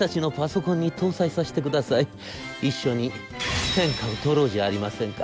一緒に天下を取ろうじゃありませんか』。